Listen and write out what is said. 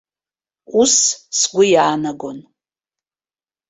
Ус сгәы иаанагон.